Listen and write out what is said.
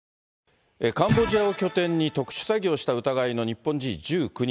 カンボジアを拠点に、特殊詐欺をした疑いの日本人１９人。